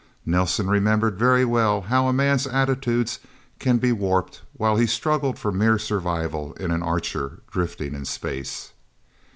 Nelsen remembered very well how a man's attitudes could be warped while he struggled for mere survival in an Archer drifting in space.